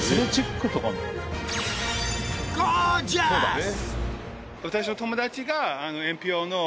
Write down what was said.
ゴージャス！